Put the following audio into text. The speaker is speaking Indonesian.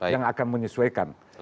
yang akan menyesuaikan